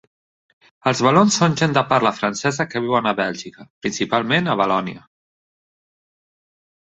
Els valons són gent de parla francesa que viuen a Bèlgica, principalment a Valònia.